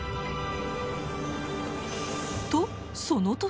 とその時。